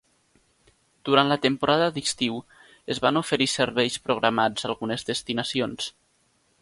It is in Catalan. Durant la temporada d'estiu es van oferir serveis programats a algunes destinacions.